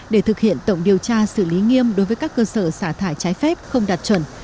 để thực hiện tổng điều tra xử lý nghiêm đối với các cơ sở xả thải trái phép không đạt chuẩn